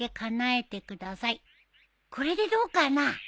これでどうかな？